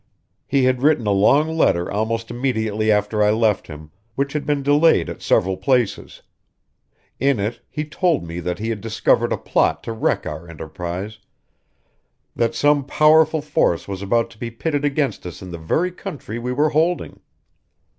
"He had written a long letter almost immediately after I left him, which had been delayed at several places. In it he told me that he had discovered a plot to wreck our enterprise, that some powerful force was about to be pitted against us in the very country we were holding.